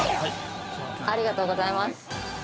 ◆ありがとうございます。